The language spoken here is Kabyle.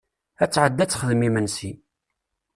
Ad tɛedi ad texdem imensi.